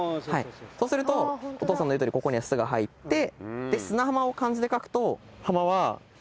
そうするとお父さんの言う通りここには「ス」が入って「スナハマ」を漢字で書くと「浜」は。